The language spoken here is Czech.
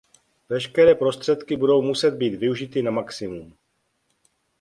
Veškeré prostředky budou muset být využity na maximum.